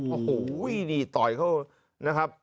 โอ้โหนี่ต่อยเขานะครับ